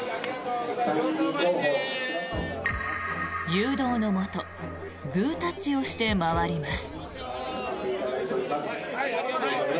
誘導のもとグータッチをして回ります。